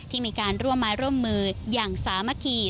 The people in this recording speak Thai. ที่มีการร่วมไม้ร่วมมืออย่างสามัคคี